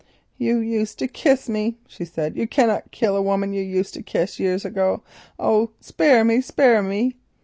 "You used to kiss me," she said; "you cannot kill a woman you used to kiss years ago. Oh, spare me, spare me!"